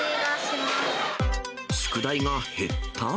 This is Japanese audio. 宿題が減った？